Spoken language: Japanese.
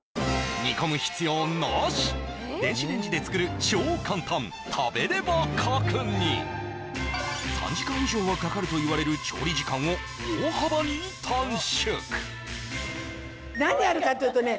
煮込む必要なし電子レンジで作る超簡単食べれば角煮３時間以上はかかるといわれる調理時間を大幅に短縮何やるかっていうとね